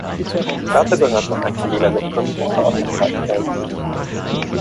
Dazu gehört noch ein ziviler Luftschutzbunker aus dem Zweiten Weltkrieg.